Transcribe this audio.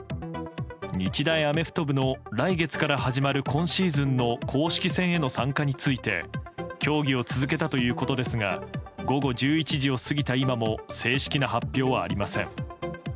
日大アメフト部の来月から始まる今シーズンの公式戦への参加について協議を続けたということですが午後１１時を過ぎた今も正式な発表はありません。